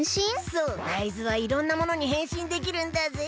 そう大豆はいろんなものにへんしんできるんだぜ。